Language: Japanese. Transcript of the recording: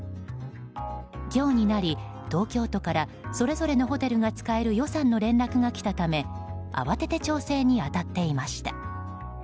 今日になり、東京都からそれぞれのホテルが使える予算の連絡が来たため慌てて調整に当たっていました。